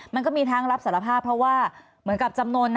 มันก็มีทั้งรับสารภาพเพราะว่าเหมือนกับจำนวน